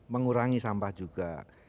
mengurangi sampah juga